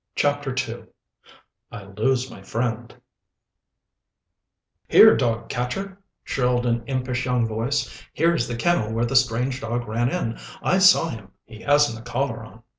CHAPTER II I LOSE MY FRIEND "Here, dog catcher," shrilled an impish young voice. "Here's the kennel where the strange dog ran in. I saw him. He hadn't a collar on."